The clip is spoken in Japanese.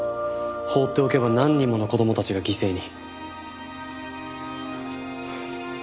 放っておけば何人もの子供たちが犠牲に。